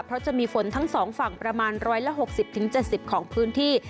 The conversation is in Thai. เพราะจะมีฝนทั้ง๒ฝั่งประมาณ๑๖๐๗๐ของพื้นที่